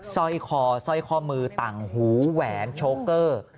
สร้อยคอสร้อยข้อมือต่างหูแหวนโชคเกอร์